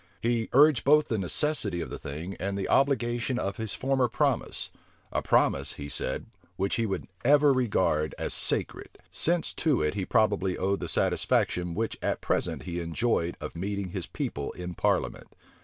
He urged both the necessity of the thing, and the obligation of his former promise; a promise, he said which he would ever regard as sacred; since to it he probably owed the satisfaction which at present he enjoyed of meeting his people in parliament.